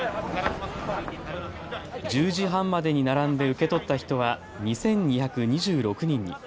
１０時半までに並んで受け取った人は２２２６人に。